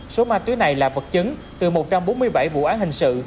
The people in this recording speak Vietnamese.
số ma túy này là vật chứng từ một trăm bốn mươi bảy vụ án hình sự